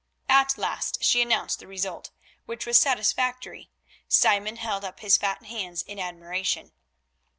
At last she announced the result, which was satisfactory. Simon held up his fat hands in admiration.